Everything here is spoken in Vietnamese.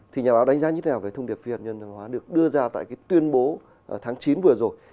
thì nhà báo đánh giá như thế nào về thông điệp phi hạt nhân hóa được đưa ra tại cái tuyên bố tháng chín vừa rồi